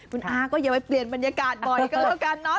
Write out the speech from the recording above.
คุณอาก็อย่าไปเปลี่ยนบรรยากาศบ่อยก็แล้วกันเนาะ